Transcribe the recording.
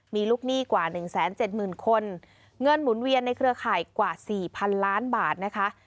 มีลูกหนี้กว่าหนึ่งแสนเจ็ดหมื่นคนเงื่อนหมุนเวียนในเครือข่ายกว่าสี่พันล้านบาทนะคะ